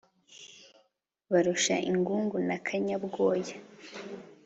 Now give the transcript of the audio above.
barusha ingungu na kanyabwoya